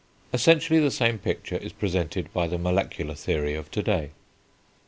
Essentially the same picture is presented by the molecular theory of to day.